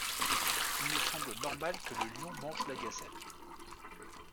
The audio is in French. Il nous semble normal que le lion mange la gazelle.